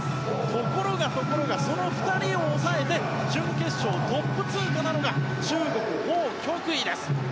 ところが、ところがその２人を抑えて準決勝トップ通過なのが中国、ホウ・キョクイです。